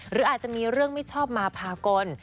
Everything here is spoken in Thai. หรืออาจจะมีเรื่องไม่ชอบมาพากล